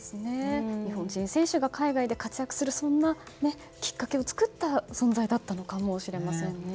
日本人選手が海外で活躍するきっかけを作った存在だったのかもしれませんね。